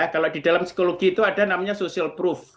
kalau di dalam psikologi itu ada namanya social proof